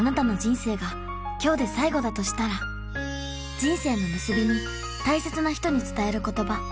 人生の結びに大切な人に伝える言葉